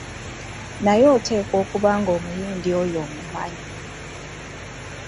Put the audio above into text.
Naye oteekwa okuba ng'Omuyindi oyo omumanyi.